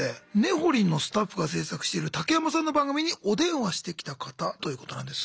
ほりんのスタッフが制作している竹山さんの番組にお電話してきた方ということなんです。